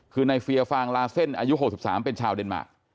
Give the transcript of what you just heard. คือนายเฟียร์ฟรางลาเซ่นอายุหกสิบสามเป็นชาวเดนมาร์ค